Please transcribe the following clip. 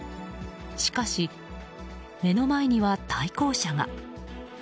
しかし、目の前には対向車が。